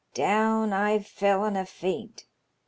Down I fell in a faint.